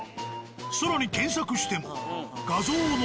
更に検索しても。